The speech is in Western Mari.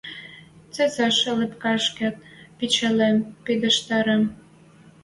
Цецаш лепкӓшкет пичӓлем пыдештӓрем!